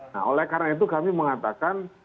nah oleh karena itu kami mengatakan